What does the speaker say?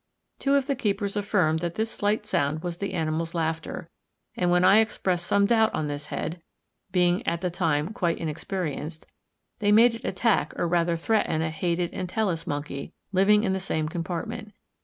Two of the keepers affirmed that this slight sound was the animal's laughter, and when I expressed some doubt on this head (being at the time quite inexperienced), they made it attack or rather threaten a hated Entellus monkey, living in the same compartment.